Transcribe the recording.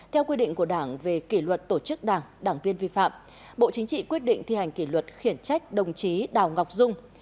theo quy định của đảng về kỷ luật tổ chức đảng đảng viên vi phạm bộ chính trị quyết định thi hành kỷ luật khiển trách đồng chí đào ngọc dung